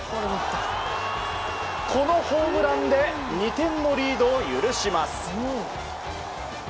このホームランで２点のリードを許します。